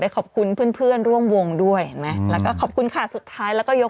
ขอบคุณค่ะ